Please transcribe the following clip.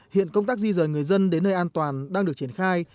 hiện công tác di rời người dân đến nơi an toàn đang được triển khai